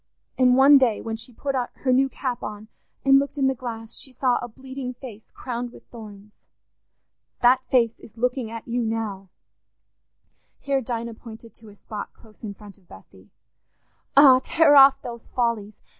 And one day when she put her new cap on and looked in the glass, she saw a bleeding Face crowned with thorns. That face is looking at you now"—here Dinah pointed to a spot close in front of Bessy—"Ah, tear off those follies!